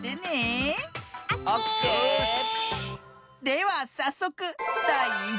ではさっそくだい１もん。